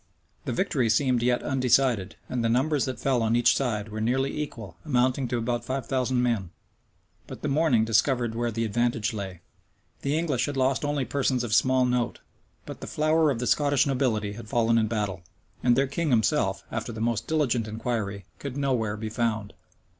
The victory seemed yet undecided, and the numbers that fell on each side were nearly equal, amounting to above five thousand men: but the morning discovered where the advantage lay. The English had lost only persons of small note; but the flower of the Scottish nobility had fallen in battle, and their king himself, after the most diligent inquiry, could nowhere be found.